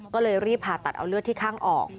ก็เลยรีบผ่าตัดเอาเลือดที่ข้างออก